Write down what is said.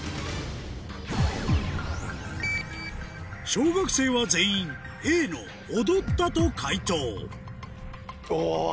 小学生は全員Ａの「踊った」と解答お！